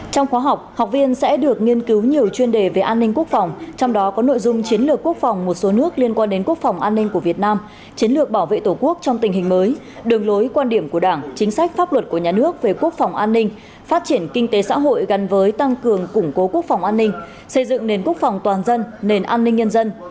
trong khóa học học viên sẽ được nghiên cứu nhiều chuyên đề về an ninh quốc phòng trong đó có nội dung chiến lược quốc phòng một số nước liên quan đến quốc phòng an ninh của việt nam chiến lược bảo vệ tổ quốc trong tình hình mới đường lối quan điểm của đảng chính sách pháp luật của nhà nước về quốc phòng an ninh phát triển kinh tế xã hội gần với tăng cường củng cố quốc phòng an ninh xây dựng nền quốc phòng toàn dân nền an ninh nhân dân